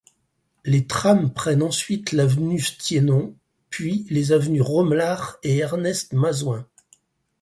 Les trams prennent ensuite l'avenue Stiénon puis les avenues Rommelaere et Ernest Masoin.